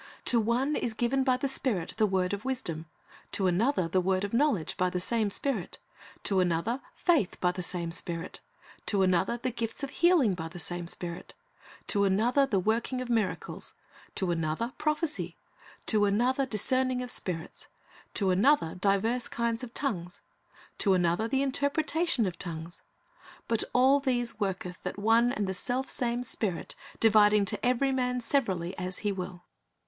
"To one is given by the Spirit the word of wisdom; to another the word of knowledge by the same Spirit; to another faith by the same Spirit; to another the gifts of healing by the same Spirit; to another the working of miracles; to another prophecy; to another discerning of spirits; to another divers kinds of tongues; to another the interpretation of tongues: but all these worketh that one and the selfsame Spirit, dividing to every man severally as He will."